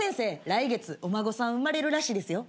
来月お孫さん生まれるらしいですよ。